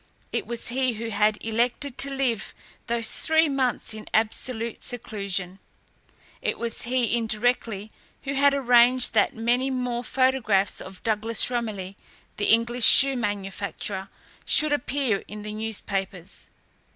It was he who had elected to live those three months in absolute seclusion. It was he, indirectly, who had arranged that many more photographs of Douglas Romilly, the English shoe manufacturer, should appear in the newspapers.